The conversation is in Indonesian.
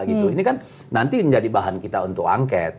ini kan nanti menjadi bahan kita untuk angket